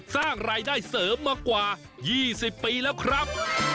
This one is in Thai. สร้างรายได้เสริมมากว่า๒๐ปีแล้วครับ